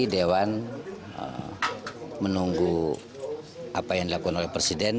dewan menunggu apa yang dilakukan oleh presiden